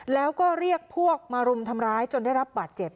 แล้วก็เรียกพวกมารุมทำร้ายจนได้รับบาดเจ็บ